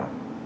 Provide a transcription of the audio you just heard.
cái kết quả